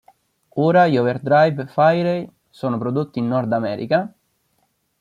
Ora gli overdrive Fairey sono prodotti in Nord America.